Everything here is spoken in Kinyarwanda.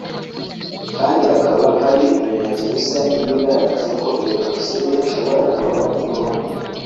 kandi hakaba hari ibimenyetso bisa n’ibigaragaza ko iyo Jenoside ishobora no gukorwa mu Burundi